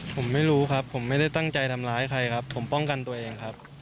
ผมไม่รู้ครับผมไม่ได้ตั้งใจทำร้ายใครครับผมป้องกันตัวเองครับ